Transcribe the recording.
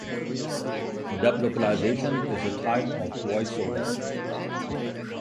Dub localization is a type of voice-over.